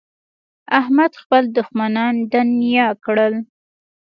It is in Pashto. احمد خپل دوښمنان دڼيا کړل.